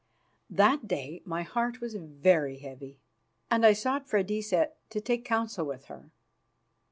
That day my heart was very heavy, and I sought Freydisa to take counsel with her.